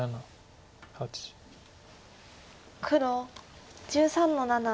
黒１３の七。